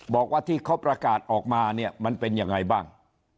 บอกว่าที่เขาประกาศออกมาเนี่ยมันเป็นยังไงบ้าง